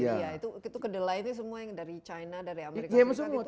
jadi ya itu kedelai itu semua yang dari china dari amerika